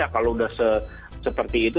kalau udah seperti itu